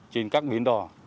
trên các bến đỏ